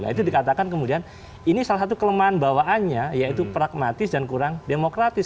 nah itu dikatakan kemudian ini salah satu kelemahan bawaannya yaitu pragmatis dan kurang demokratis